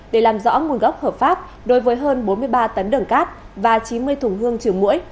để làm rõ nguồn gốc hợp pháp đối với hơn bốn mươi ba tấn đường cát và chín mươi thùng hương trường mũi